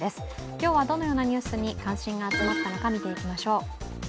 今日はどのようなニュースに関心が集まったのか見ていきましょう。